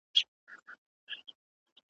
زه چي ګورمه موږ هم یو ځان وهلي `